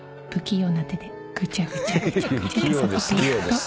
器用です器用です。